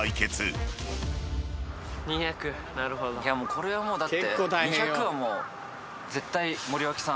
これはもうだって２００はもう。